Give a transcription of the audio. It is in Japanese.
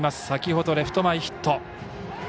先ほどレフト前ヒット。